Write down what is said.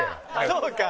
そうか。